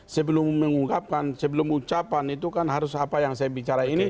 sebelum mengungkapkan sebelum ucapan itu kan harus apa yang saya bicara ini